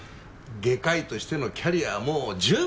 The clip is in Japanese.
外科医としてのキャリアはもう十分！